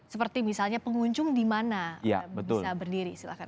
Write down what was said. seperti misalnya pengunjung dimana bisa berdiri silahkan